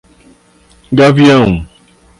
Gavião